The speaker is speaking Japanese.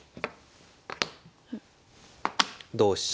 同飛車。